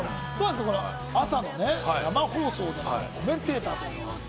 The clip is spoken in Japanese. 朝の生放送、コメンテーターということです。